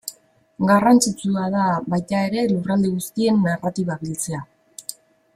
Garrantzitsua da baita ere lurralde guztien narratiba biltzea.